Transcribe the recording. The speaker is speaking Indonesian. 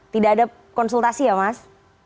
tidak ada konsultasi ya mas